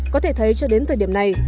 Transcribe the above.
có thể thấy cho đến thời điểm này